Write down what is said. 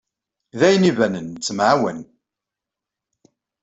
D ayen ibanen nettemɛawan.